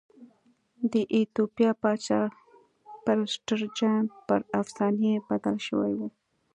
د ایتوپیا پاچا پرسټر جان پر افسانې بدل شوی و.